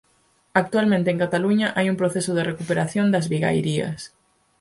Actualmente en Cataluña hai un proceso de recuperación das vigairías.